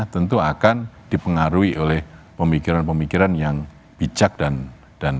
tentu akan dipengaruhi oleh pemikiran pemikiran yang bijak dan